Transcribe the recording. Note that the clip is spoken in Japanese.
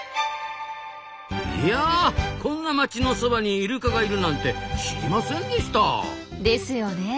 いやこんな街のそばにイルカがいるんて知りませんでした！ですよね。